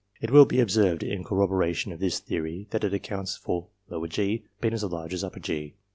It will be observed, in corroboration of this theory, that it accounts for g. being as large as G.